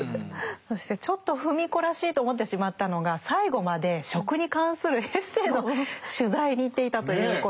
そしてちょっと芙美子らしいと思ってしまったのが最後まで食に関するエッセーの取材に行っていたということ。